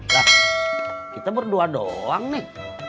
nah kita berdua doang nih